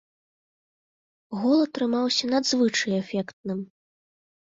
Гол атрымаўся надзвычай эфектным!